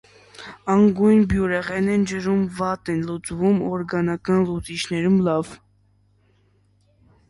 Անգույն բյուրեղներ են, ջրում վատ են լուծվում, օրգանական լուծիչներում՝ լավ։